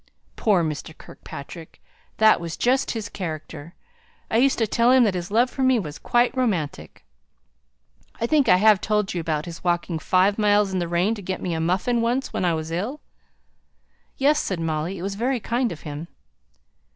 Poor Mr. Kirkpatrick! That was just his character. I used to tell him that his love for me was quite romantic. I think I have told you about his walking five miles in the rain to get me a muffin once when I was ill?" "Yes!" said Molly. "It was very kind of him."